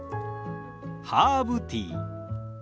ハーブティー。